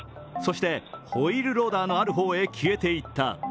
そして、ホイールローダーのある方へ消えていった。